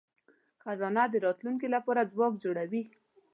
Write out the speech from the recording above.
خزانه د راتلونکي لپاره ځواک جوړوي.